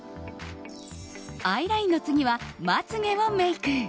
アイラインの次はまつ毛をメイク。